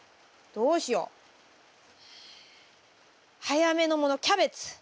どうしよう？早めのものキャベツ。